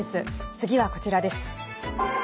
次はこちらです。